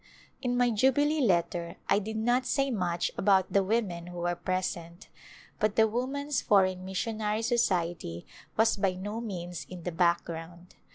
In my Jubilee letter I did not say much about the women who were present, but the Woman's Foreign Missionary Society was by no means in the background.